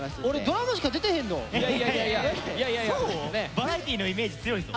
バラエティーのイメージ強いんですよ。